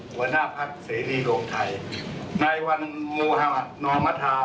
หัวหน้าภักดิ์เสรีโรงไทยนายวันมุหมาธนอมธา